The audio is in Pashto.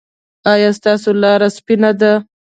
ایا ستاسو لاره سپینه ده؟